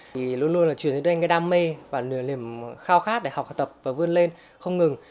thì luôn luôn là truyền đến anh cái đam mê và niềm khao khát để học tập và vươn lên không ngừng